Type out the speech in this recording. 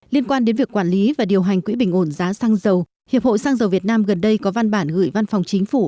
liên quan đến việc quản lý và điều hành quỹ bình ổn giá xăng dầu hiệp hội xăng dầu việt nam gần đây có văn bản gửi văn phòng chính phủ